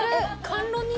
甘露煮？